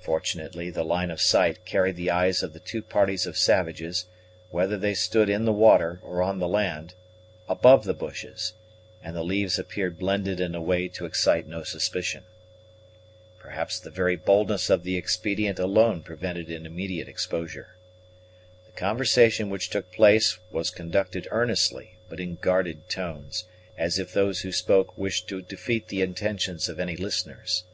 Fortunately the line of sight carried the eyes of the two parties of savages, whether they stood in the water or on the land, above the bushes, and the leaves appeared blended in a way to excite no suspicion. Perhaps the very boldness of the expedient alone prevented an immediate exposure. The conversation which took place was conducted earnestly, but in guarded tones, as if those who spoke wished to defeat the intentions of any listeners.